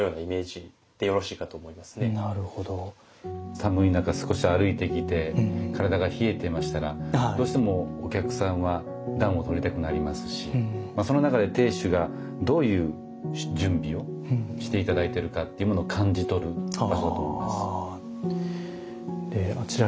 寒い中少し歩いてきて体が冷えていましたらどうしてもお客さんは暖を取りたくなりますしその中で亭主がどういう準備をして頂いているかっていうものを感じ取る場所だと思います。